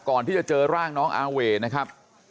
ก่อนที่จะเจอร่างน้องอาเวนะครับ